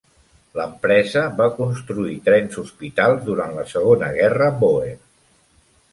L'empresa va construir trens hospitals durant la Segona Guerra Bòer.